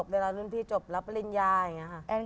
เวลารุ่นพี่จบรับปริญญาอย่างนี้ค่ะ